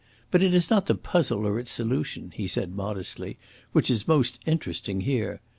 But it is not the puzzle or its solution," he said modestly, "which is most interesting here.